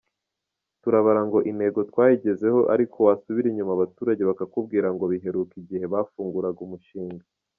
Turabara ngo intego twayigezeho ariko wasubira inyuma abaturage bakakubwira ko biheruka igihe bafunguraga umushinga.”